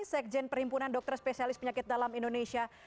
sekjen perhimpunan dokter spesialis penyakit dalam indonesia